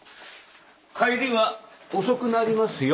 帰りは遅くなりますよ。